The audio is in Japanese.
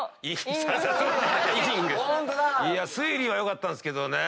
推理は良かったんですけどね。